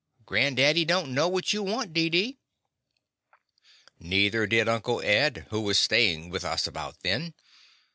Grand daddy don't know what you want, Deedee." Neither did Uncle Ed, who was stayin' with us about then.